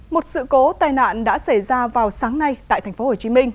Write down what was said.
một sự cố tai nạn đã xảy ra vào sáng nay tại tp hcm